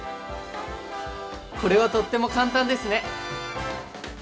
これはとっても簡単ですね！